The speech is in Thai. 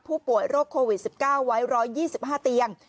ผู้ป่วยโรคโควิด๑๙ไว้๑๒๕เตียง